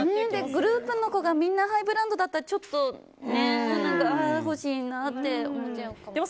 グループの子がみんなハイブランドだったらちょっとああ、欲しいなって思っちゃうかも。